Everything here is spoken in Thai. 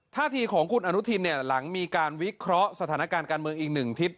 ท่าทีของคุณอนุทินเนี่ยหลังมีการวิเคราะห์สถานการณ์การเมืองอีก๑ทิศ